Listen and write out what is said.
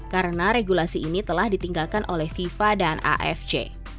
karena regulasi ini telah ditinggalkan oleh fifa dan afc